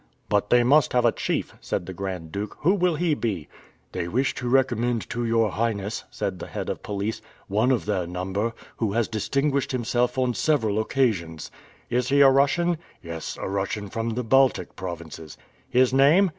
"But they must have a chief," said the Grand Duke, "who will he be?" "They wish to recommend to your Highness," said the head of police, "one of their number, who has distinguished himself on several occasions." "Is he a Russian?" "Yes, a Russian from the Baltic provinces." "His name?"